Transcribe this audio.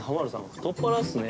太っ腹っすね。